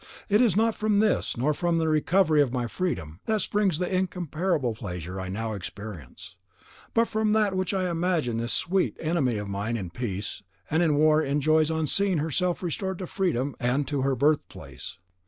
It is not from this, nor from the recovery of my freedom, that springs the incomparable pleasure I now experience, but from that which I imagine this sweet enemy of mine in peace and in war enjoys on seeing herself restored to freedom and to her birth place.